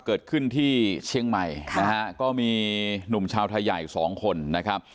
เกิดขึ้นที่เชียงใหม่นะฮะก็มีหนุ่มชาวไทยใหญ่สองคนนะครับ